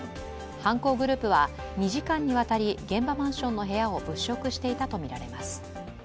犯行グループは２時間にわたり現場マンションの部屋を物色したとみられます。